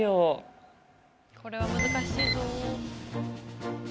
これは難しいぞ。